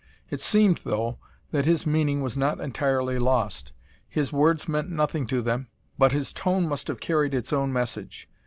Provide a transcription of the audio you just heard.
It seemed, though, that his meaning was not entirely lost. His words meant nothing to them, but his tone must have carried its own message.